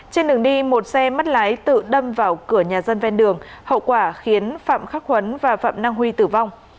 trên đường đi một xe mất lái tự đâm vào cửa nhà dân ven đường hậu quả khiến phạm khắc huấn và phạm năng huy tử vong